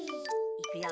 いくよ！